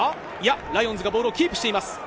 ライオンズがボールをキープしています。